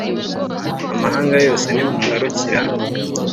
amahanga yose Nimungarukira